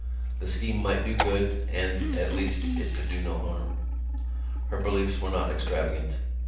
The scheme might do good and, at least, it could do no harm. Her beliefs were not extravagant.